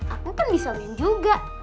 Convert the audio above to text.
aku kan bisa main juga